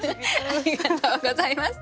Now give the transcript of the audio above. ありがとうございます。